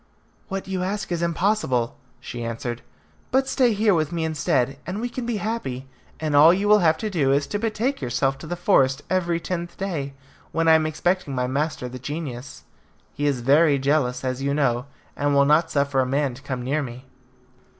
"What you ask is impossible," she answered; "but stay here with me instead, and we can be happy, and all you will have to do is to betake yourself to the forest every tenth day, when I am expecting my master the genius. He is very jealous, as you know, and will not suffer a man to come near me."